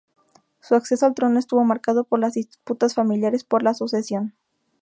Su acceso al trono estuvo marcado por las disputas familiares por la sucesión.